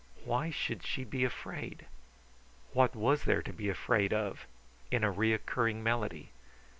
Why should she be afraid? What was there to be afraid of in a recurring melody?